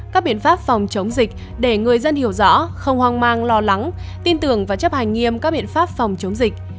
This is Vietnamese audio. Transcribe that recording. các biện pháp phòng chống dịch để người dân hiểu rõ không hoang mang lo lắng tin tưởng và chấp hành nghiêm các biện pháp phòng chống dịch